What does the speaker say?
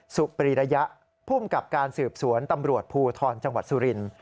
สุปรีระยะภูมิกับการสืบสวนตำรวจภูทรจังหวัดสุรินทร์